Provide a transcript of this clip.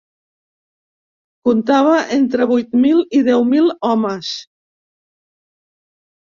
Contava entre vuit mil i deu mil homes.